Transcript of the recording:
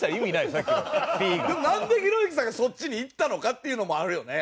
でもなんでひろゆきさんがそっちにいったのかっていうのもあるよね。